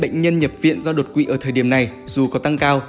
bệnh nhân nhập viện do đột quỵ ở thời điểm này dù có tăng cao